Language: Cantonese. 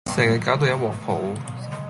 成日攪到一鑊泡